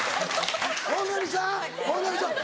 「大波さん大波さん！」